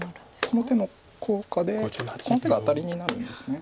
この手の効果でこの手がアタリになるんです。